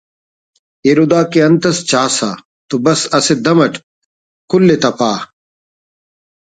ایلو دا کہ انت اس چاسہ تو بس اسہ دم اٹ کل ءِ تا پا